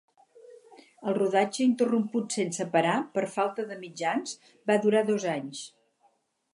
El rodatge, interromput sense parar per falta de mitjans, va durar dos anys.